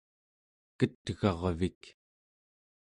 ket'garvik